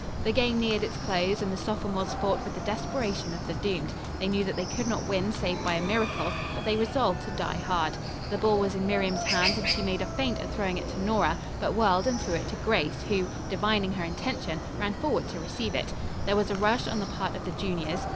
The game neared its close and the sophomores fought with the desperation of the doomed. They knew that they could not win save by a miracle, but they resolved to die hard. The ball was in Miriam's hands and she made a feint at throwing it to Nora, but whirled and threw it to Grace, who, divining her intention, ran forward to receive it. There was a rush on the part of the juniors.